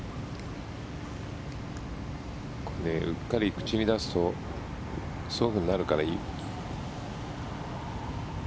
うっかり口に出すとそういうふうになるから。